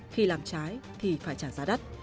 khi làm trái thì phải trả giá đắt